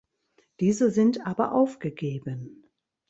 Diese sind aber aufgegeben.